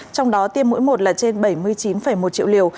trong đó tiêm mỗi một là trên bảy mươi chín một triệu liều